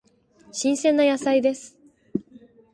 新鮮な野菜です。